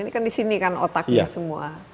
ini kan di sini kan otaknya semua